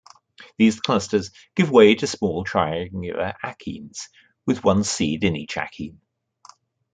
These clusters give way to small triangular achenes, with one seed in each achene.